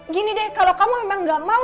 gini deh kalau kamu memang gak mau